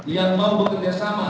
yang mau bekerjasama